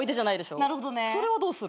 それはどうする？